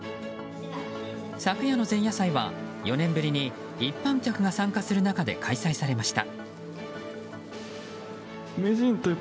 昨夜の前夜祭は４年ぶりに一般客が参加する中で開催されました。